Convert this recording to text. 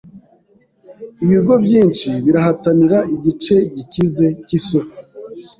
Ibigo byinshi birahatanira igice gikize cyisoko.